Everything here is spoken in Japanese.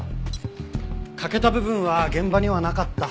欠けた部分は現場にはなかった。